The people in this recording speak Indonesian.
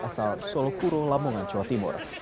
asal solokurung lamungan jawa timur